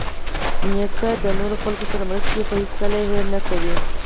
نیکه د نورو خلکو سره مرسته کوي، خو هیڅکله یې هېر نه کوي.